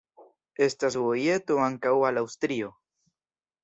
Estas vojeto ankaŭ al Aŭstrio.